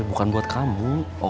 bukan buat kamu